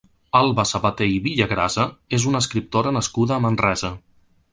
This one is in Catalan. Alba Sabaté i Villagrasa és una escriptora nascuda a Manresa.